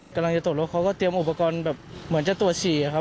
กำลังจะตกลงเขาก็เตรียมอุปกรณ์แบบเหมือนจะตรวจฉี่อ่ะครับ